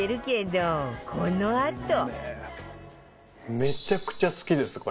めちゃくちゃ好きですこれ。